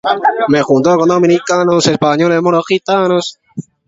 Ha publicat gran quantitat d'articles i llibres sobre drets humans.